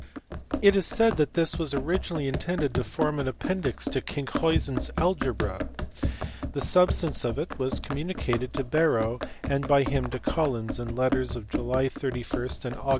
It is said that this was originally intended to form an appendix to Kinckhuysen s Algebra (see above, p. 324). The substance of it was communicated to Barrow, and by him to Collins, in letters of July 31 and Aug.